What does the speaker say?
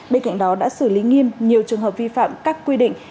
bên cạnh đó đã xử lý nghiêm nhiều trường hợp vi phạm các quy định